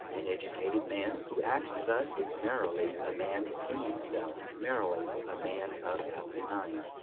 An educated man who acts thus is merely a man in himself, merely a man of "healthy mind."